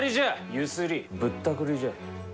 ゆすりぶったくりじゃ。